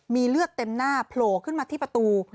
มีเลือดเต็มหน้าโผล่ขึ้นมาที่ประตู